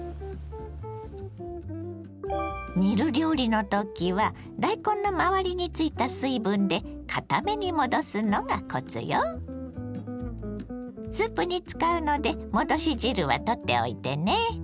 煮る料理の時は大根の周りについた水分でスープに使うので戻し汁は取っておいてね。